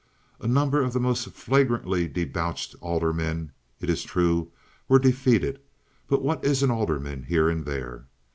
A number of the most flagrantly debauched aldermen, it is true, were defeated; but what is an alderman here and there?